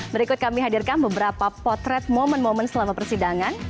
berikut kami hadirkan beberapa potret momen momen selama persidangan